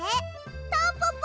タンポポ！